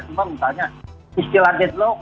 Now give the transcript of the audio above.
cuma misalnya istilah deadlock